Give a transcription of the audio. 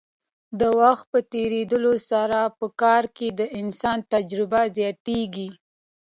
د وخت په تیریدو سره په کار کې د انسان تجربه زیاتیږي.